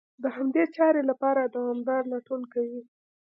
د همدې چارې لپاره دوامداره لټون کوي.